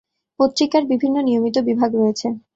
পত্রিকার বিভিন্ন নিয়মিত বিভাগ রয়েছে।